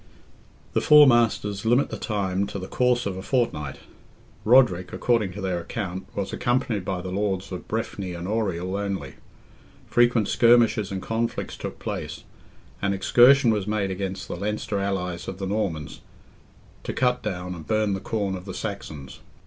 The Four Masters limit the time to "the course of a fortnight." Roderick, according to their account, was accompanied by the lords of Breffni and Oriel only; frequent skirmishes and conflicts took place; an excursion was made against the Leinster Allies of the Normans, "to cut down and burn the corn of the Saxons."